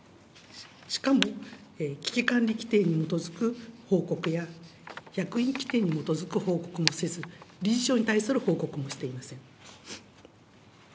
しかも危機管理きていに基づく報告や役員規定に基づく報告もせず、理事長に対する報告もしていません。